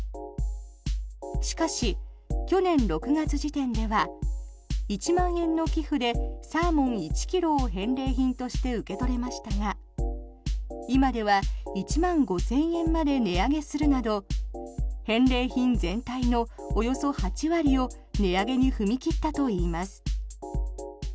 しかし、去年６月時点では１万円の寄付でサーモン１ｋｇを返礼品として受け取れましたが今では１万５０００円まで値上げするなど返礼品全体のおよそ８割を値上げに踏み切ったといいます。